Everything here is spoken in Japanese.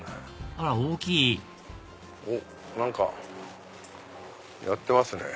あら大きいおっ何かやってますね。